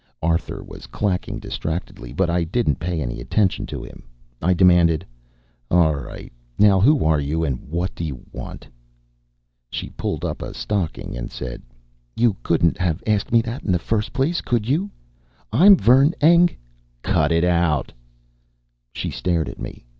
Arthur was clacking distractedly, but I didn't pay any attention to him. I demanded: "All right, now who are you and what do you want?" She pulled up a stocking and said: "You couldn't have asked me that in the first place, could you? I'm Vern Eng " "Cut it out!" She stared at me.